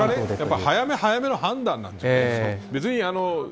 早め早めの判断なんですよね。